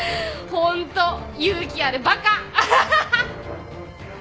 ホント勇気あるバカ。